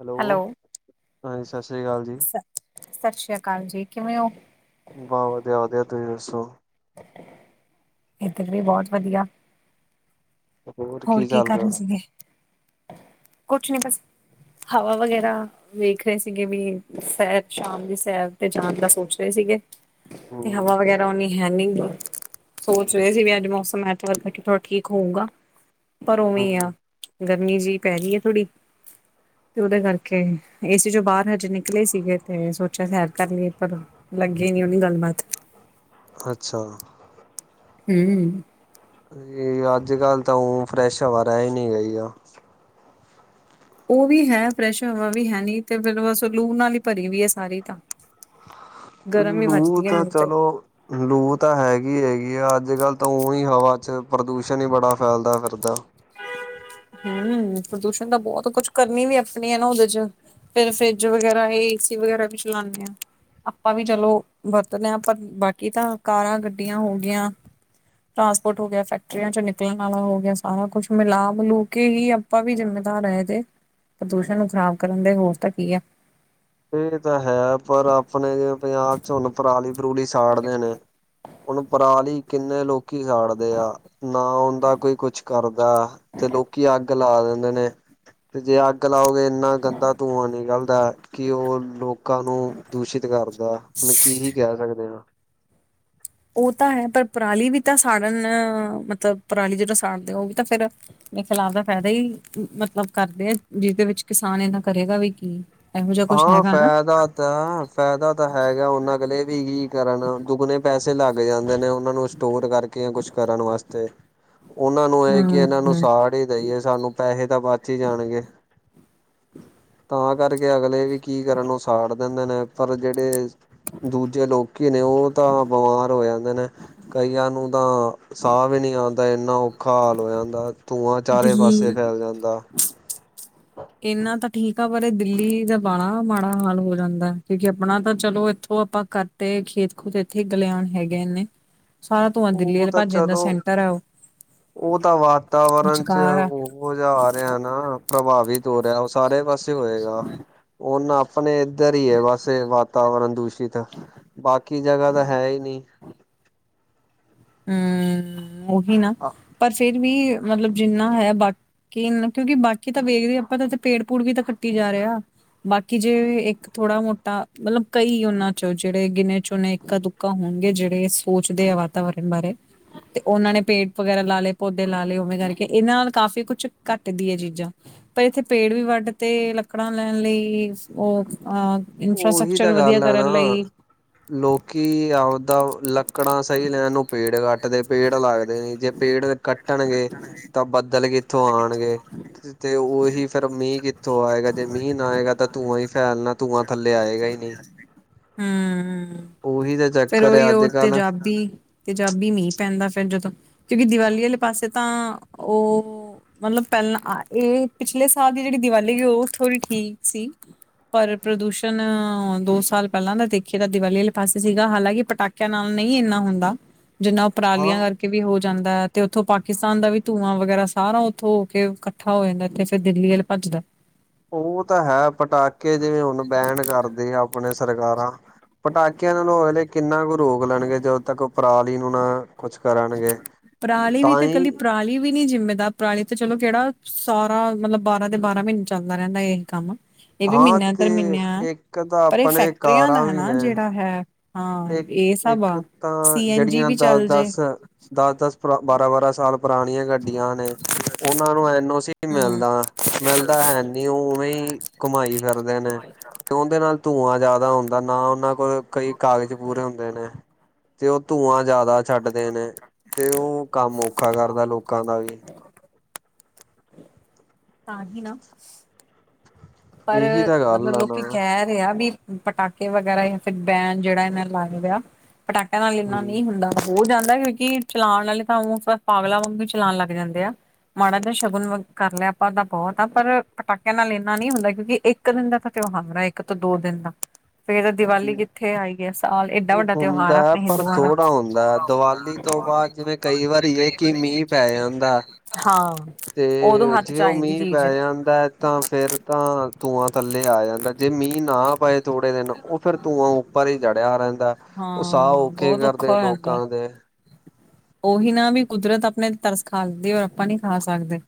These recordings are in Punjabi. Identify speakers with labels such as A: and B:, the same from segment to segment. A: ਹੈਲੋ, ਹਾਂਜੀ, ਸਤਿ ਸ਼੍ਰੀ ਅਕਾਲ ਜੀ।
B: ਸਤਿ ਸ੍ਰੀ ਅਕਾਲ ਜੀ। ਕਿਵੇਂ ਹੋ?
A: ਬਹੁ ਵਧੀਆ-ਵਧੀਆ ਤੁਸੀਂ ਦੱਸੋ?
B: ਏਧਰ ਵੀ ਬਹੁਤ ਵਧੀਆ। ਹੋਰ ਕੀ ਕਰ ਰਹੇ ਸੀਗੇ। ਕੁਛ ਨੀ ਬਸ ਹਵਾ ਵਗੈਰਾ। ਵੇਖ ਰਹੇ ਸੀਗੇ ਵੀ ਸੈਰ ਸ਼ਾਮ ਦੀ ਸੈਰ ਤੇ ਜਾਣ ਦਾ ਸੋਚ ਰਹੇ ਸੀਗੇ। ਤੇ
A: ਹਮ
B: ਹਵਾ ਵਗੈਰਾ ਓਨੀ ਹੈ ਨਹੀਂ। ਸੋਚ ਰਹੇ ਸੀ ਵੀ ਅੱਜ ਮੌਸਮ ਐਤਵਾਰ ਕਰਕੇ ਥੋੜਾ ਠੀਕ ਹੋਊਗਾ। ਪਰ ਉਵੇਂ ਆ।
A: ਹਮ
B: ਗਰਮੀ ਜਿਹੀ ਪੈ ਰਹੀ ਹੈ ਥੋੜੀ। ਤੇ ਉਹਦੇ ਕਰਕੇ, ਏ ਸੀ ਚ' ਬਾਹਰ ਹਜੇ ਨਿਕਲੇ ਸੀਗੇ ਤੇ ਸੋਚਿਆ, ਸੈਰ ਕਰ ਲਈਏ ਪਰ ਲੱਗੇ ਨੀ ਉਹਨੀ ਗੱਲਬਾਤ।
A: ਅੱਛਾ।
B: ਹਮ- ਹਮ।
A: ਅੱਜ-ਕੱਲ ਤਾਂ ਊਮ ਫਰੈਸ਼ ਹਵਾ ਰਹਿ ਹੀ ਨਹੀਂ ਗਈ ਆ।
B: ਉਹ ਵੀ ਹੈ ਪ੍ਰੈਸ਼ ਵੀ ਹੈ ਨੀ'ਤੇ ਫਿਰ ਲੂ ਨਾਲ ਲਈ ਭਰੀ ਵੀ ਹੈ ਸਾਰੀ ਤਾਂ। ਗਰਮ ਹੀ
A: ਲੂ
B: ਵੱਜਦੀ ਹੈ
A: ਤਾਂ
B: ਮੈਨੂੰ ਤੇ
A: ਚਲੋ ਲੂ ਤਾਂ ਹੈਗੀ-ਹੈਗੀ ਆ ਅੱਜ-ਕੱਲ ਤਾਂ ਹੀ ਹਵਾ ਚ ਪ੍ਰਦੂਸ਼ਣ ਹੀ ਬੜਾ ਫੈਲਦਾ ਫਿਰਦਾ।
B: ਹੂੰ, ਪ੍ਰਦੂਸ਼ਣ ਤਾਂ ਬਹੁਤ ਕੁਛ ਕਰਨੀ ਵੀ ਆਪਣੀ ਹੈ ਨਾ ਉਹਦੇ ਚ। ਫਿਰ ਫਰਿੱਜ ਵਗੈਰਾ, ਏਸੀ ਵਗੈਰਾ ਵੀ ਚਲਾਉਂਦੇ ਆ। ਆਪਾਂ ਵੀ ਚਲੋ ਵਰਤਦੇ ਹ ਪਰ ਬਾਕੀ ਤਾਂ ਕਾਰਾਂ, ਗੱਡੀਆਂ ਹੋ ਗਈਆਂ। ਟਰਾਂਸਪੋਰਟ ਹੋ ਗਿਆ ਫੈਕਟਰੀਆਂ ਚ ਨਿਕਲਣ ਵਾਲਾ ਹੋ ਗਿਆ ਸਾਰਾ ਕੁਛ। ਮਿਲਾ ਮਿਲੂ ਕੇ ਹੀ ਆਪਾਂ ਵੀ ਜਿੰਮੇਦਾਰ ਹੈ ਇਦੇ। ਪ੍ਰਦੂਸ਼ਣ ਨੂੰ ਖ਼ਰਾਬ ਕਰਨ ਦੇ ਹੋਰ ਤਾਂ ਕੀ ਹੈ।
A: ਇਹ ਤਾਂ ਹੈ'ਪਰ ਆਪਣੇ ਜਿਵੇਂ ਪੰਜਾਬ ਚਲੋ, ਪਰਾਲੀ-ਪਰੂਲੀ ਸਾੜਦੇ ਨੇ ਉਹਨੂੰ ਪਰਾਲੀ ਕਿੰਨੇ ਲੋਕ ਲੋਕੀ ਸਾੜਦੇ ਆ, ਨਾ ਉਹਦਾ ਕੋਈ ਕੁਛ ਕਰਦਾ' ਤੇ ਲੋਕੀ ਅਗ। ਅੱਗ ਲਾ ਦਿੰਦੇ ਨੇ ਤੇ ਜੇ ਅੱਗ ਲਾਓਗੇ ਇੰਨਾ ਗੰਦਾ ਤੂੰਆਂ ਨਿਕਲਦਾ। ਕਿ ਉਹ ਲੋਕਾਂ ਨੂੰ ਦੂਸ਼ਿਤ ਕਰਦਾ ਉਹਨ ਕੀ ਹੀ ਕਹਿ ਸਕਦੇ ਹਾਂ।
B: ਉਹ ਤਾਂ ਹੈ ਪਰ ਪਰਾਲੀ ਵੀ ਤਾਂ ਸਾੜਨ ਮਤਲਬ ਪਰਾਲੀ ਜਿਹੜਾ ਸਾੜਦੇ ਉਹ ਵੀ ਤਾਂ ਫਿਰ। ਮ ਖਲਾਫ ਦਾ ਫਾਇਦਾ ਹੀ ਮਤਲਬ ਕਰਦੇ ਆ ਜਿਹਦੇ ਵਿੱਚ ਕਿਸਾਨ ਇਨਾ ਕਰੇਗਾ ਵੀ ਕੀ। ਇਹੋ ਜਿਹਾ ਕੁਛ
A: ਹਾਂ
B: ਹੈਗਾ ਨਾ।
A: ਫਾਇਦਾ ਤਾਂ ਫਾਇਦਾ ਤਾਂ ਹੈਗਾ ਉਹਣ ਅਗਲੇ ਵੀ ਕੀ ਕਰਨ ਦੁੱਗਣੇ ਪੈਸੇ ਲੱਗ ਜਾਂਦੇ ਨੇ ਉਹਨਾਂ ਨੂੰ ਸਟੋਰ ਕਰਕੇ ਕੁਛ ਕਰਨ ਵਾਸਤੇ। ਉਹਨਾਂ ਨੂੰ ਇਹ ਕਿ ਇਹਨਾਂ ਨੂੰ
B: ਹਮ
A: ਸਾੜ ਹੀ ਦੇਈਏ' ਸਾਨੂੰ ਪੈਸੇ ਤਾਂ ਬਚ ਹੀ ਜਾਣਗੇ। ਤਾਂ ਕਰਕੇ ਅਗਲੇ ਵੀ ਕੀ ਕਰਨ ਉਹ ਸਾੜ ਦਿੰਦੇ ਨੇ ਪਰ ਜਿਹੜੇ ਦੂਜੇ ਲੋਕੀ ਨੇ ਉਹ ਤਾਂ ਬਿਮਾਰ ਹੋ ਜਾਂਦੇ ਨੇ। ਕਈਆਂ ਨੂੰ ਤਾਂ ਸਾਹ ਵੀ ਨਹੀਂ ਆਉਂਦਾ ਇੰਨਾ ਔਖਾ ਹਾਲ ਹੋ ਜਾਂਦਾ ਧੂੰਆਂ ਚਾਰੇ ਪਾਸੇ
B: ਦਿੱਲੀ
A: ਫੈਲ ਜਾਂਦਾ।
B: ਇਹੰਨਾ ਤਾਂ ਠੀਕ ਬਾਰੇ ਦਿੱਲੀ ਦਾ ਬੜਾ ਮਾੜਾ ਹਾਲ ਹੋ ਜਾਂਦਾ' ਕਿਉਂਕਿ ਆਪਣਾ ਤਾਂ ਚਲੋ ਇਥੋਂ ਆਪਾਂ ਕਰ ਤੇ ਖੇਤ-ਖੂਤ ਇੱਥੇ ਖਲਿਆਨ ਹੈਗੇ ਨੇ। ਸਾਰਾ ਧੂੰਆਂ ਦਿੱਲੀ
A: ਉਹ
B: ਵੱਲ
A: ਤਾਂ
B: ਭੱਜ ਜਾਂਦਾ
A: ਚਲੋ
B: ਸੈਂਟਰ ਆ ਉਹ
A: ਉਹ ਤਾਂ ਵਾਤਾਵਰਨ ਚ
B: ਵਿਚਕਾਰ ਆ
A: ਉਹ ਉਹ ਜਾ ਰਿਹਾ ਨਾ ਪ੍ਰਭਾਵਿਤ ਹੋ ਰਿਹਾ ਉਹ ਸਾਰੇ ਪਾਸੇ ਹੋਏਗਾ। ਉਹਨਾ ਆਪਣੇ ਇੱਧਰ ਹੀ ਹੈ ਵਸੇ ਵਾਤਾਵਰਨ ਦੂਸ਼ਿਤ ਬਾਕੀ ਜਗ੍ਹਾ ਤਾਂ ਹੈ ਹੀ ਨਹੀਂ।
B: ਹੂੰ, ਉਹੀ ਨਾ ਪਰ ਫੇਰ ਵੀ ਮਤਲਬ ਜਿੰਨਾ ਹੈ ਬਾਕ ਕੀ ਕਿਉਂਕਿ ਬਾਕੀ ਤਾਂ ਵੇਖਦੇ ਆਪਾਂ ਤਾਂ ਪੇੜ-ਪੂੜ ਵੀ ਤਾਂ ਕੱਟੀ ਜਾ ਰਹੇ ਆ। ਬਾਕੀ ਜੇ ਇੱਕ ਥੋੜਾ ਮੋਟਾ ਮਤਲਬ ਕਈ ਉਹਨਾਂ ਚੋਂ ਜਿਹੜੇ ਗਿਣੇ ਚੋਨੇ ਇੱਕ-ਦੁਕਾ ਕੋਨ ਹੋਣਗੇ ਜਿਹੜੇ ਸੋਚਦੇ ਆ ਵਾਤਾਵਰਨ ਬਾਰੇ। ਤੇ ਉਹਨਾਂ ਨੇ ਪੇੜ ਵਗੈਰਾ ਲਾ ਲਏ ਪੌਦੇ ਲਾ ਲਏ ਉਵੇਂ ਕਰਕੇ ਇਹਨਾਂ ਨਾਲ ਕਾਫ਼ੀ ਕੁਛ ਘੱਟਦੀ ਹੈ ਚੀਜ਼ਾਂ ਪਰ ਇੱਥੇ ਪੇੜ ਵੀ ਵੱਢ ਤੇ ਲੱਕੜਾਂ ਲੈਣ ਲਈ ਉਹ ਅਹ
A: ਉਹੀ
B: ਇਨਫਰਾਸਟਕਚਰ
A: ਤਾਂ
B: ਵਧੀਆ
A: ਗੱਲ ਹੈ
B: ਕਰਨ
A: ਨਾ
B: ਲਈ
A: ਲੋਕੀ ਆਪਦਾ ਲੱਕ ਲਕੜਾਂ ਸਹੀ ਲੈਣ ਨੂੰ ਪੇੜ ਕੱਟਦੇ ਪੇੜ ਲੱਗਦੇ ਨ ਜੇ ਪੇੜ ਕੱਟਣਗੇ ਤਾਂ ਬੱਦਲ ਕਿੱਥੋਂ ਆਉਣਗੇ? ਤੇ ਉਹੀ ਫੇਰ ਮੀਂਹ ਕਿੱਥੋਂ ਆਏਗਾ ਜੇ ਮੀਂਹ ਨਾ ਆਏਗਾ ਤਾਂ ਧੂੰਆਂ ਹੀ ਫੈਲਣਾ ਤੂੰਆਂ। ਥੱਲੇ ਆਏਗਾ ਹੀ ਨਹੀਂ।
B: ਹੂੰ,
A: ਉਹੀ ਤਾਂ
B: ਫਿਰ
A: ਚੱਕਰ
B: ਉਹੀ
A: ਹੈ ਅੱਜ
B: ਉਹ ਤੇ
A: ਕੱਲ੍ਹ
B: ਜਾਬੀ। ਤੇਜਾਬੀ ਮੀਂਹ ਪੈਂਦਾ ਫਿਰ ਜਦੋਂ ਕਿਉਂਕਿ ਦੀਵਾਲੀ ਵਾਲੇ ਪਾਸੇ ਤਾਂ ਉਹ ਉਹ ਮਤਲਬ ਪਹਿਲਾਂ ਇਹ ਪਿਛਲੇ ਸਾਲ ਦੀ ਜਿਹੜੀ ਦੀਵਾਲੀ ਗਈ ਸੀ ਉਹ ਥੋੜ੍ਹੀ ਠੀਕ ਸੀ। ਪਰ ਪ੍ਰਦੂਸ਼ਣ ਅ ਦੋ ਸਾਲ ਪਹਿਲਾਂ ਤਾਂ ਦੇਖੀਏ ਤਾਂ ਦੀਵਾਲੀ ਵਾਲੇ ਪਾਸੇ ਸੀਗਾ ਹਾਲਾਂਕਿ ਪਟਾਕੇ ਇਨ੍ਹਾਂ ਨਾਲ ਨਹੀਂ ਇੰਨਾ ਹੁੰਦਾ ਜਿੰਨਾ ਪਰਾਲੀਆਂ
A: ਹਾਂ
B: ਕਰਕੇ ਵੀ ਹੋ ਜਾਂਦਾ ਹੈ ਤੇ ਉੱਥੋਂ ਪਾਕਿਸਤਾਨ ਦਾ ਵੀ ਧੂੰਆਂ ਵਗੈਰਾ ਸਾਰਾ ਉੱਥੋਂ ਹੋ ਕੇ ਇਕੱਠਾ ਹੋ ਜਾਂਦਾ ਇਥੇ। ਫਿਰ ਦਿੱਲੀ ਵਲ ਭੱਜਦਾ
A: ਉਹ ਤਾਂ ਹੈ ਪਟਾਕੇ ਜਿਵੇਂ, ਹੁਣ ਬੈਨ ਕਰਦੇ ਆ ਆਪਣੇ ਸਰਕਾਰਾਂ। ਪਟਾਕਿਆਂ ਨਾਲੋਂ ਅਲੇ ਕਿੰਨਾ ਕੁ ਰੋਕ ਲੈਣਗੇ ਜਦੋਂ ਤੱਕ ਪਰਾਲੀ ਨੂੰ ਨਾ ਕੁਛ ਕਰਨਗੇ
B: ਪਰਾਲੀ ਵੀ
A: ਤਾਂ
B: ਤੇ
A: ਹੀ
B: ਇਕੱਲੀ ਪਰਾਲੀ ਵੀ ਨੀ ਜਿੰਮੇਦਾਰ ਪਰਾਲੀ ਤੇ ਚਲੋ ਕਿਹੜਾ ਸਾਰਾ ਮਤਲਬ ਬਾਰਾਂ ਦੇ ਬਾਰਾਂ ਮਹੀਨੇ ਚੱਲਦਾ ਰਹਿੰਦਾ ਇਹੀ ਕੰਮ ਇਹ ਵੀ ਮਹੀਨਿਆਂ ਤੇ ਮਹੀਨਿਆਂ
A: ਇੱਕ ਤਾਂ
B: ਪਰ ਇਹ
A: ਆਪਣੇ
B: ਫੈਕਟਰੀਆਂ ਦਾ
A: ਕਾਰਾਂ
B: ਹੈ
A: ਵੀ
B: ਨਾ
A: ਨੇ
B: ਜਿਹੜਾ ਹੈ। ਹਾਂ,
A: ਇੱਕ
B: ਇਹ ਸਭ
A: ਇੱਕ
B: ਆ
A: ਤਾਂ
B: ਸੀ ਐਨ ਜੀ
A: ਜਿਹੜੀਆਂ
B: ਵੀ ਚੱਲ ਜੇ।
A: ਦਸ-ਦਸ ਦਸ-ਦਸ, ਬਾਰਾਂ-ਬਾਰਾਂ ਸਾਲ, ਪੁਰਾਣੀਆਂ ਗੱਡੀਆਂ ਨੇ ਉਹਨਾਂ ਨੂੰ ਐਨ ਓ ਸੀ ਨੀ
B: ਹਮ
A: ਮਿਲਦਾ, ਮਿਲਦਾ ਹੈ ਨੀ ਉਹ ਉਵੇਂ ਘੁਮਾਈ ਫਿਰਦੇ ਨੇ। ਤੇ ਉਹਦੇ ਨਾਲ ਧੂੰਆਂ ਜ਼ਿਆਦਾ ਹੁੰਦਾ ਨਾ ਉਹਨਾਂ ਕੋਲ ਕਈ ਕਾਗਜ਼ ਪੂਰੇ ਹੁੰਦੇ ਨੇ, ਤੇ ਉਹ ਧੂੰਆਂ ਜ਼ਿਆਦਾ ਛੱਡਦੇ ਨੇ ਤੇ ਉਹ ਕੰਮ ਔਖਾ ਕਰਦਾ ਲੋਕਾਂ ਦਾ ਵੀ।
B: ਤਾਂ ਹੀ ਨਾ ਪਰ
A: ਇਹੀ ਤਾਂ ਗੱਲ
B: ਮਤਲਬ
A: ਆ ਨਾ
B: ਲੋਕੀ ਕਹਿਣ ਆ ਵੀ ਪਟਾਕੇ ਵਗੈਰਾ ਜਾਂ ਫਿਰ ਬੈਨ ਜਿਹੜਾ ਇਹਨਾਂ ਲਾਏ ਵ ਆ ਪਟਾਕਿਆਂ ਨਾਲ ਇੰਨਾ
A: ਹੂੰ।
B: ਨੀ ਹੁੰਦਾ। ਹੋ ਜਾਂਦਾ ਕਿਉਂਕਿ ਚਲਾਉਣ ਵਾਲੇ ਤਾਂ ਪਾਗਲਾ ਵਾਂਗ ਵੀ ਚਲਾਉਣ ਲੱਗ ਜਾਂਦੇ ਆ। ਮਾੜਾ ਜਹਾ ਸ਼ਗੁਨ ਕਰ ਲਿਆ ਆਪਾਂ ਤਾਂ ਬਹੁਤ ਆ। ਪਰ ਪਟਾਕਿਆਂ ਨਾਲ ਇੰਨਾ ਨੀ ਹੁੰਦਾ ਕਿਉਕਿ ਇੱਕ ਦਿਨ ਦਾ ਤਾਂ ਤਿਉਹ ਹਮਰਾ ਇੱਕ ਤੋਂ ਦੋ ਦਿਨ ਦਾ ਫੇਰ ਦੀਵਾਲੀ ਕਿੱਥੇ ਆਈ ਐ? ਸਾਲ ਏਡਾ
A: ਉਹ
B: ਵੱਡਾ ਤਿਉਹਾਰ ਆ
A: ਹੁੰਦਾ
B: ਆਪਣੇ
A: ਪਰ
B: ਹਿੰਦੂਆਂ ਦਾ।
A: ਥੋੜ੍ਹਾ ਹੁੰਦਾ ਦੀਵਾਲੀ ਤੋਂ ਬਾਅਦ ਜਿਵੇਂ ਕਈ ਵਾਰੀ ਇਹ ਕਿ ਮੀਂਹ ਪੈ ਜਾਂਦਾ।
B: ਹਾਂ, ਉਦੋਂ
A: ਤੇ
B: ਹੱਥ ਚ
A: ਜੇ
B: ਆ
A: ਉਹ
B: ਜਾਂਦੀ
A: ਮੀਂਹ
B: ਚੀਜ਼
A: ਪੈ ਜਾਂਦਾ ਐ ਤਾਂ ਫੇਰ ਤਾਂ ਧੂੰਆਂ ਥੱਲੇ ਆ ਜਾਂਦਾ ਜੇ ਮੀਂਹ ਨਾ ਪਏ ਥੋੜੇ ਦਿਨ ਉਹ ਫੇਰ ਧੂੰਆਂ ਪਰ ਹੀ ਚੜਿਆ ਰਹਿੰਦਾ ਉਹ ਸਾਹ
B: ਹਾਂ
A: ਔਖੇ
B: ਬਹੁਤ ਔਖਾ
A: ਕਰਦੇ
B: ਹੋ ਜਾਂਦਾ
A: ਲੋਕਾਂ ਦੇ।
B: ਉਹੀ ਨਾ ਵੀ ਕੁਦਰਤ ਆਪਣੇ ਤਰਸ ਖਾ ਲੈਦੀ ਔਰ ਆਪਾਂ ਨੀ ਖਾ ਸਕਦੇ।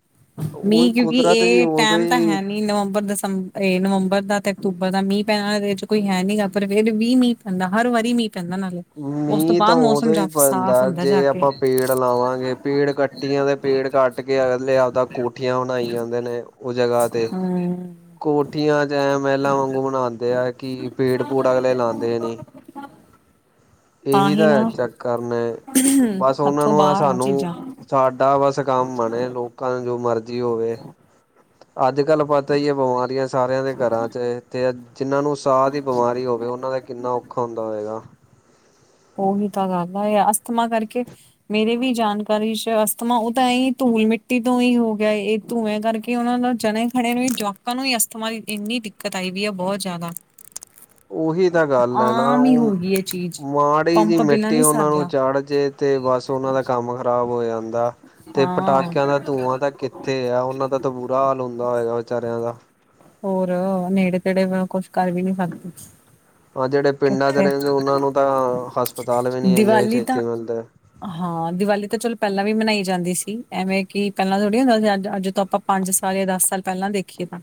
A: ਉਹ
B: ਮੀਂਹ ਕਿਉਂਕਿ
A: ਕੁਦਰਤ ਵੀ
B: ਇਹ
A: ਉਦੋਂ
B: ਟੈਮ ਤਾਂ
A: ਹੀ
B: ਹੈ ਨੀ ਨਵੰਬਰ, ਦਸੰਬਰ। ਇਹ ਨਵੰਬਰ ਦਾ ਤੇ ਅਕਤੂਬਰ ਦਾ ਮੀਂਹ ਪੈਣਾ ਇਹ ਚ ਕੋਈ ਹੈ ਨੀ ਗਾ। ਪਰ ਫਿਰ ਵੀ ਮੀਂਹ ਪੈਂਦਾ ਹਰ ਵਾਰੀ ਮੀਂਹ ਪੈਂਦਾ ਨਾਲੇ। ਉਸ ਤੋਂ
A: ਮੀਂ ਤਾਂ
B: ਬਾਅਦ ਮੌਸਮ
A: ਉਦੋ ਈ
B: ਜਾ
A: ਪ ਪੈਂਦਾ
B: ਸਾਫ਼ ਹੁੰਦਾ ਜਾ
A: ਜੇ
B: ਕੇ
A: ਆਪਾਂ ਪੇੜ ਲਾਵਾਂਗੇ। ਪੇੜ ਕੱਟੀ ਆਂਦੇ ਤੇ ਪੇੜ ਕੱਟ ਕੇ ਅਗਲੇ ਆਪਦਾ ਕੋਠੀਆਂ ਬਣਾਈ ਜਾਂਦੇ ਨੇ ਉਹ ਜਗ੍ਹਾ ਤੇ।
B: ਹੂੰ
A: ਕੋਠੀਆਂ ਚ ਮਹਿਲਾਂ ਵਾਂਗੂ ਮਨਾਉਂਦੇ ਆ ਕਿ ਪੇੜ-ਪੂੜ ਅਗਲੇ ਲਾਉਂਦੇ ਨੀ।
B: [unintelligible]
A: ਇਹੀ
B: ਹੀ
A: ਤਾਂ
B: ਨਾ ਹੂੰ
A: ਚੱਕਰ ਨੇ ਬਸ ਉਹਨਾਂ
B: ਹੱਥੋਂ
A: ਨੂੰ ਆ
B: ਬਾਹਰ
A: ਸਾਨੂੰ
B: ਚੀਜ਼ਾਂ।
A: ਸਾਡਾ ਬਸ ਕੰਮ ਬਣੇ, ਲੋਕਾਂ ਨੂੰ ਜੋ ਮਰਜ਼ੀ ਹੋਵੇ। ਅੱਜ-ਕੱਲ ਪਤਾ ਈ ਹੈ ਬਿਮਾਰੀਆਂ ਸਾਰਿਆਂ ਦੇ ਘਰਾਂ ਚ ਅਤੇ ਜਿਨ੍ਹਾਂ ਨੂੰ ਸਾਹ ਦੀ ਬਿਮਾਰੀ ਹੋਵੇ ਓਨਾਂ ਦਾ ਕਿੰਨਾ ਔਖਾ ਹੁੰਦਾ ਹੋਏਗਾ।
B: ਉਹੀ ਤਾਂ ਗੱਲ ਆ ਇਹ ਅਸਥਮਾ ਕਰਕੇ ਮੇਰੇ ਵੀ ਜਾਣਕਾਰੀ ਚ ਅਸਥਮਾ ਉਹ ਤਾਂ ਇਹੀ ਧੂਲ ਮਿੱਟੀ ਤੋਂ ਈ ਹੋ ਗਿਆ ਏ ਧੂੰਆਂ ਕਰਕੇ ਉਹਨਾਂ ਨੂੰ ਜਣੇ-ਖਣੇ ਨੂੰ ਵੀ ਜਵਾਕਾਂ ਨੂੰ ਈ ਅਸਥਮਾ ਦੀ ਇੰਨੀ ਦਿੱਕਤ ਆਈ ਵੀ ਆ ਬਹੁਤ ਜ਼ਿਆਦਾ। [unintelligible]
A: ਉਹੀ ਤਾਂ ਗੱਲ ਐ ਨਾ
B: ਆਮ ਹੀ ਹੋ
A: ਉਹ
B: ਗਈ ਇਹ ਚੀਜ਼
A: ਮਾੜੀ ਜਿਹੀ
B: ਪੰਪ ਬਿਨਾਂ
A: ਮਿੱਟੀ
B: ਨੀ
A: ਉਹਨਾ ਨੂੰ
B: ਸਰਦਾ
A: ਚ ਚੜ ਜੇ ਤੇ ਬਸ ਉਹਨਾਂ ਦਾ ਕੰਮ ਖ਼ਰਾਬ ਹੋ ਜਾਂਦਾ ਤੇ
B: ਹਾਂ
A: ਪਟਾਕਿਆਂ ਦਾ ਧੂੰਆਂ ਤਾਂ ਤੇ ਹੈ ਉਹਨਾਂ ਦਾ ਤਾਂ ਬੁਰਾ ਹਾਲ ਹੁੰਦਾ ਹੋਏਗਾ ਵਿਚਾਰਿਆਂ ਦਾ
B: ਹੋਰ ਨੇੜੇ-ਤੇੜੇ ਕੁਛ ਕਰ ਵੀ ਨੀ ਸਕਦੇ।
A: ਹਾਂ ਜਿਹੜੇ ਪਿੰਡਾਂ ਚ
B: ਕਿੱਥੇ
A: ਰਹਿੰਦੇ ਉਹਨਾਂ ਨੂੰ ਤਾਂ ਹਸ
B: ਦੀਵਾਲੀ ਤਾਂ ਹਾਂ ਦੀਵਾਲੀ ਤਾਂ ਚਲੋ ਪਹਿਲਾਂ ਵੀ ਮਨਾਈ ਜਾਂਦੀ ਸੀ। ਐਵੇਂ ਕਿ ਪਹਿਲਾਂ ਥੋੜ੍ਹੀ ਹੁੰਦਾ ਸੀ ਅੱਜ ਅੱਜ ਤੋਂ ਆਪਾਂ ਪੰਜ ਸਾਲ ਜਾਂ ਦਸ ਸਾਲ ਪਹਿਲਾਂ ਦੇਖੀਏ ਤਾਂ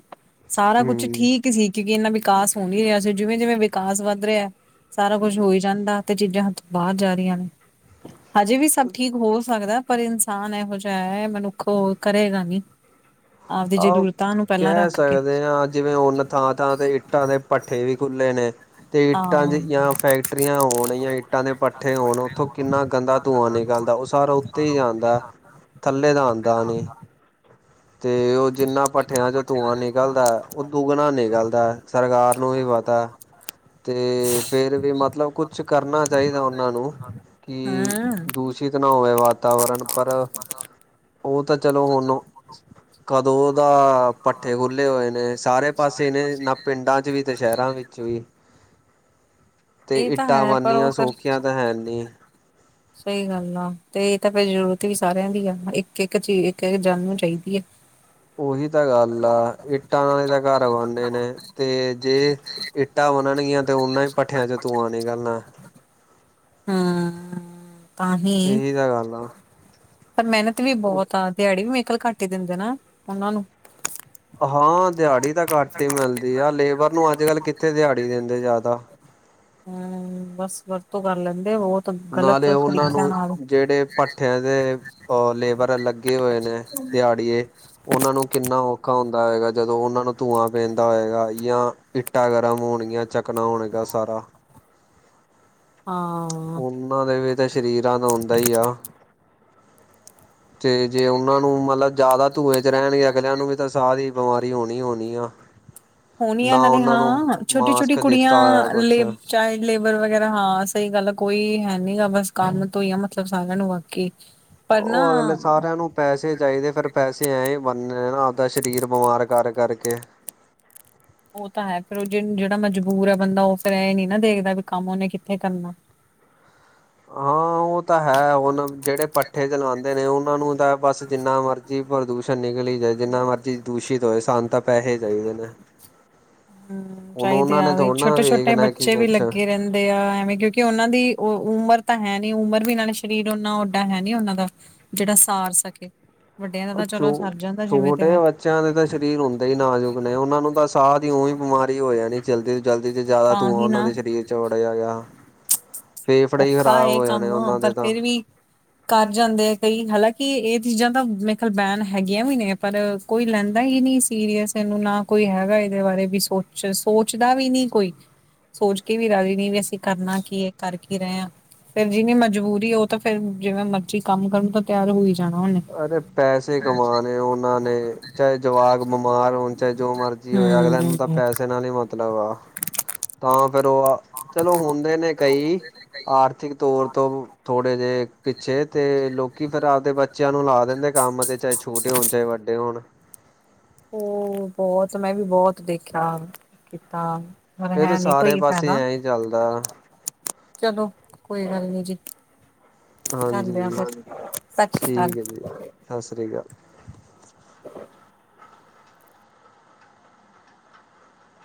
B: ਸਾਰਾ ਕੁੱਛ
A: ਹੂੰ।
B: ਠੀਕ ਸੀ ਕਿਉਕਿ ਇਨਾ ਵਿਕਾਸ ਹੋ ਨਈ ਰਿਆ ਸੀ। ਜਿਵੇਂ, ਜਿਵੇਂ ਵਿਕਾਸ ਵੱਧ ਰਿਆ ਸਾਰਾ ਕੁੱਛ ਹੋਈ ਜਾਂਦਾ ਤੇ ਚੀਜ਼ਾਂ ੳਥ ਅਜੇ ਵੀ ਸਭ ਠੀਕ ਹੋ ਸਕਦਾ ਪਰ ਇਨਸਾਨ ਇਹੋ ਜਿਹਾ ਹੈ ਮਨੁੱਖ ਉਹ ਕਰੇਗਾ ਨੀ ਆਪਦੀ
A: ਆਹ
B: ਜਰੂਰਤਾਂ ਨੂੰ ਪਹਿਲਾਂ
A: ਕਹਿ
B: ਰੱਖ ਕੇ
A: ਸਕਦੇ ਹਾਂ ਜਿਵੇਂ ਹੁਨ ਥਾਂ ਥਾਂ ਤੇ ਇੱਟਾਂ ਦੇ ਭੱਠੇ ਵੀ ਖੁੱਲ੍ਹੇ ਨੇ ਅਤੇ
B: ਹਾਂ,
A: ਇੱਟਾਂ 'ਚ ਜਾਂ ਫੈਕਟਰੀਆਂ ਹੋਣ ਜਾਂ ਇੱਟਾਂ ਦੇ ਪੱਠੇ ਹੋਣ ਉੱਥੋਂ ਕਿੰਨਾ ਗੰਦਾ ਧੂੰਆਂ ਨਿਕਲਦਾ ਉਹ ਸਾਰਾ ਉੱਤੇ ਈ ਜਾਂਦਾ ਥੱਲੇ ਤਾ ਆਉਂਦਾ ਨੀ। ਤੇ ਉਹ ਜਿੰਨਾ ਭੱਠਿਆਂ 'ਚੋਂ ਧੂੰਆਂ ਨਿਕਲਦਾ ਉਹ ਦੁੱਗਣਾ ਨਿਕਲਦਾ ਸਰਕਾਰ ਨੂੰ ਵੀ ਪਤਾ
B: ਹਾਂ [inaudible]
A: ਤੇ ਫੇਰ ਵੀ ਮਤਲਬ ਕੁਛ ਕਰਨਾ ਚਾਹੀਦਾ ਉਹਨਾਂ ਨੂੰ ਕਿ
B: ਹੂੰ।
A: ਦੂਸ ਦੁਸ਼ਿਤ ਨਾ ਹੋਵੇ ਵਾਤਾਵਰਨ ਪਰ ਉਹ ਤਾਂ ਚਲੋ ਹੁਨ ਕਦੋਂ ਦਾ ਭੱਠੇ ਖੁੱਲੇ ਹੋਏ ਨੇ ਸਾਰੇ ਪਾਸੇ ਨੇ ਨਾ ਪਿੰਡਾਂ ਚ ਵੀ ਅਤੇ ਸ਼ਹਿਰਾਂ ਵਿੱਚ ਵੀ ਤੇ
B: ਇਹ ਤਾਂ
A: ਇੱਟਾਂ
B: ਹੈ ਪਰ ਉਹ
A: ਬਨਨੀਆਂ
B: ਫਿਰ
A: ਸੋਖੀਆਂ ਤਾਂ ਹੈ ਨਹੀਂ
B: ਸਹੀ ਗੱਲ ਆ ਤੇ ਇਹ ਤਾਂ ਫੇਰ ਜ਼ਰੂਰਤ ਵੀ ਸਾਰਿਆਂ ਦੀ ਆ ਇੱਕ ਇੱਕ ਚੀਜ਼ ਇੱਕ ਇੱਕ ਜਾਨ ਨੂੰ ਚਾਹੀਦੀ ਹੈ ਹ
A: ਉਹੀ ਤਾਂ ਗੱਲ ਆ ਇ ਇੱਟਾਂ ਨਾਲ ਤਾਂ ਘਰ ਬਣਦੇ ਨੇ ਤੇ ਜੇ ਇੱਟਾਂ ਬਣਨਗੀਆਂ ਤੇ ਉਹਨਾ ਹੀ ਭੱਠਿਆਂ ਚੋ ਧੂਆਂ ਨਿਕਲਨਾ ਤੇ
B: ਹਾਂ
A: ਇਹੀ ਤਾਂ ਗੱਲ ਆ
B: ਪਰ ਮਿਹਨਤ ਵੀ ਬਹੁਤ ਆ ਦਿਹਾੜੀ ਵੀ ਮੇਰੇ ਖਿਆਲ ਘੱਟ ਹੀ ਦਿੰਦੇ ਨਾ ਉਹਨਾਂ ਨੂੰ
A: ਹਾਂ ਦਿਹਾੜੀ ਤਾਂ ਘੱਟ ਹੀ ਮਿਲਦੀ ਆ ਲੇਬਰ ਨੂੰ ਅੱਜ ਕੱਲ ਕਿੱਥੇ ਦਿਹਾੜੀ ਦੇਂਦੇ ਜ਼ਿਆਦਾ
B: ਹੁ ਬਸ ਵਰਤੋਂ ਕਰ ਲੈਂਦੇ ਹੋਰ
A: ਨਾਲੇ ਉਹਨਾਂ ਨੂੰ ਜਿਹੜੇ ਭੱਠਿਆਂ ਦੇ ਉਹ ਲੇਬਰ ਲੱਗੇ ਹੋਏ ਨੇ ਦਿਹਾੜੀਏ ਉਹਨਾਂ ਨੂੰ ਕਿੰਨਾ ਔਖਾ ਹੁੰਦਾ ਹੈਏਗਾ ਜਦੋਂ ਉਹਨਾਂ ਨੂੰ ਧੂੰਆਂ ਪੈਂਦਾ ਹੋਏਗਾ ਯਾ ਇੱਟਾਂ ਗਰਮ ਹੋਣਗੀਆਂ ਚੱਕਨਾ ਹੋਣਗਾ ਸਾਰਾ
B: ਹਾਂ
A: ਉਹਨਾਂ ਦੇ ਵੀ ਤਾਂ ਸ਼ਰੀਰਾਂ ਦਾ ਹੁੰਦਾ ਹੀ ਆ ਤੇ ਜੇ ਉਹਨਾਂ ਨੂੰ ਮਤਲਬ ਜ਼ਿਆਦਾ ਧੂੰਏ ਰਹਿਣਗੇ ਅਗਲਿਆਂ ਨੂੰ ਵੀ ਤਾਂ ਸਾਹ ਦੀ ਬਿਮਾਰੀ ਹੋਣੀ ਹੋਣੀ ਆ
B: ਹੋਨੀਆਂ
A: ਨਾ
B: ਨਾਲੇ
A: ਉਹਨਾਂ ਨੂੰ
B: ਹਾਂ ਛੋਟੀ ਛੋਟੀ
A: ਮਾਸਕ
B: ਕੁੜੀਆਂ
A: ਦਿੱਤਾ ਹੋਇਆ ਕੁਛ
B: ਲੇ ਚਾਈਲਡ ਲੇਬਰ ਵਗੈਰਾ ਹਾਂ ਸਹੀ ਗੱਲ ਕੋਈ ਹੈ ਨੀ ਗਾ ਬਸ ਕੰਮ ਤੋਂ ਹੀ ਆ ਮਤਲਬ ਸਾਰਿਆਂ ਨੂੰ ਬਾਕੀ ਪਰ ਨਾ
A: ਉਹ ਅਗਲੇ ਸਾਰਿਆਂ ਨੂੰ ਪੈਸੇ ਚਾਹੀਦੇ ਫੇਰ ਪੈਸੇ ਐਂ ਹੀ ਬੰਨੇ ਆਪਦਾ ਸਰੀਰ ਬਿਮਾਰ ਕਰ ਕਰਕੇ।
B: ਉਹ ਤਾਂ ਹੈ ਫਿਰ ਜਿਹੜਾ ਮਜਬੂਰ ਹੈ ਬੰਦਾ ਉਹ ਫੇਰ ਇਹ ਨੀ ਨਾ ਦੇਖਦਾ ਵੀ ਕੰਮ ਉਹਨੇ ਕਿੱਥੇ ਕਰਨਾ
A: ਹਾਂ ਉਹ ਤਾਂ ਹੈ ਹੁਣ ਜਿਹੜੇ ਪੱਠੇ ਚਲਾਂਦੇ ਨੇ ਉਹਨਾਂ ਨੂੰ ਤਾਂ ਬਸ ਜਿੰਨਾ ਮਰਜ਼ ਜੀ ਪ੍ਰਦੂਸ਼ਣ ਨਿਕਲੀ ਜਾਏ ਜਿੰਨਾ ਮਰਜ਼ੀ ਦੂਸ਼ਿਤ ਹੋਏ ਸਾਨ ਤਾਂ ਪੈਸੇ ਚਾਹੀਦੇ ਨੇ।
B: ਹੁ
A: ਹੁਣ
B: ਚਾਹੀਦੇ
A: ਉਹਨਾਂ ਨੇ
B: ਆ ਵੀ
A: ਥੋੜ੍ਹਾ ਨਾ
B: ਛੋਟੇ ਛੋਟੇ
A: ਵੇਖਣਾ ਕਿ
B: ਬੱਚੇ ਵੀ
A: ਕੁਛ
B: ਲੱਗੇ ਰਹਿੰਦੇ ਆ ਏਵੇਂ ਕਿਉਂਕਿ ਕਿ ਉਹਨਾਂ ਦੀ ੳ ਉਮਰ ਤਾਂ ਹੈ ਨੀ ਉਮਰ ਵੀ ਨਾਲੇ ਸਰੀਰ ਓਨਾ ਓਡਾ ਹੈ ਨੀ ਉਹਨਾਂ ਦਾ ਜਿਹੜਾ ਸਾਰ ਸਕੇ ਵੱਡਿਆਂ ਦਾ
A: ਉਹ
B: ਤਾਂ
A: ਛੋ
B: ਚਲੋ ਸਰ ਜਾਂਦਾ ਜਿਵੇਂ
A: ਛੋਟੇ
B: ਤਿਵੇਂ
A: ਬੱਚਿਆਂ ਦੇ ਤਾਂ ਸਰੀਰ ਹੁਨ। ਬੜੇ ਹੀ ਨਾਜੁਕ ਨੇ ਉਹਨਾਂ ਨੂੰ ਤਾਂ ਸਾਹ ਦੀ ਉਹੀ ਬਿਮਾਰੀ ਹੋ ਜਾਣੀ ਜਲਦੀ ਜਲਦੀ ਚ ਜ਼ਿਆਦਾ
B: ਤਾਂ
A: ਧੂੰਆਂ
B: ਹੀ
A: ਉਹਨਾਂ
B: ਨਾ
A: ਦੇ ਸਰੀਰ ਚੋੜਿਆ ਗਿਆ ਫੇਫੜੇ ਹੀ
B: ਔਖਾ
A: ਖ਼ਰਾਬ
B: ਹੈ
A: ਹੋ ਜਾਣੇ
B: ਕੰਮ
A: ਉਹਨਾਂ ਦੇ
B: ਪਰ
A: ਤਾਂ
B: ਫਿਰ
A: [unintelligible]
B: ਵੀ ਕਰ ਜਾਂਦੇ ਆ ਕਈ ਹਾਲਾਂਕਿ ਇਹ ਚੀਜ਼ਾਂ ਤਾਂ ਮੇਰੇ ਖਿਆਲ ਬੈਨ ਹੈਗੀਆਂ ਵੀ ਨੇ ਪਰ ਕੋਈ ਲੈਂਦਾ ਹੀ ਨਹੀਂ ਸੀਰੀਅਸ ਇਹਨੂੰ ਨਾ ਕੋਈ ਹੈਗਾ ਇਹਦੇ ਬਾਰੇ ਵੀ ਸੋਚ ਸੋਚਦਾ ਵੀ ਨਹੀਂ ਕੋਈ। ਸੋਚ ਕੇ ਵੀ ਰਾਜੀ ਨਹੀ ਵੀ ਅਸੀਂ ਕਰਨਾ ਕੀ ਹੈ। ਕਰ ਰਹੇ ਹਾਂ ਫੇਰ ਜਿਹਨੀ ਮਜਬੂਰੀ ਉਹ ਤਾਂ ਫੇਰ ਜਿਵੇਂ ਮਰਜੀ ਕੰਮ ਕਰਨ ਤਾਂ ਤਿਆਰ ਹੋਈ ਸੀ।
A: ਅਰੇ ਪੈਸੇ ਕਮਾਣੇ ਉਹਨਾਂ ਨੇ ਚਾਹੇ ਜਵਾਕ ਬਿਮਾਰ ਹੋਣ ਚਾਹੇ ਜੋ ਮਰਜ਼ੀ ਹੋਏ ਅਗਲਿਆ ਨੂੰ ਤਾਂ
B: ਹਮ
A: ਪੈਸੇ ਨਾਲ ਹੀ ਮਤ ਮਤਲਬ ਆ ਤਾਂ ਫ਼ਿਰ ਉਹ ਆ, ਚਲੋ ਹੁੰਦੇ ਨੇ ਕਈ ਆਰਥਿਕ ਤੌਰ ਤੋਂ ਥੋੜ [unintelligible] ੜੇ ਜ ਪਿੱਛੇ ਤੇ ਲੋਕੀ ਫੇਰ ਆਪਦੇ ਬੇ ਬੱਚਿਆਂ ਨੂੰ ਲਾ ਦਿੰਦੇ ਕੰਮ ਤੇ ਚਾਹੇ ਛੋਟੇ ਹੋਣ ਚਾਹੇ ਵੱਡੇ ਹੋਣ।
B: ਹੋ ਬਹੁਤ ਮੈਂ ਵੀ ਬਹੁਤ ਦੇਖਿਆ ਕੀਤਾ। ਪਰ
A: ਇਹ
B: ਹੈ
A: ਤਾਂ
B: ਨੀ
A: ਸਾਰੇ
B: ਕੋਈ
A: ਪਾਸੇ
B: ਫੇਦਾ,
A: ਐ ਹੀ ਚੱਲਦਾ
B: ਚਲੋ ਕੋਈ ਗੱਲ ਨੀ ਜੀ। ਕਰਨਦੇ ਆ
A: ਹਾਂਜੀ
B: ਫਿਰ। ਸਤਿ ਸ਼੍ਰੀ ਅਕਾਲ।।
A: ਸਸਰੀਕਾਲ।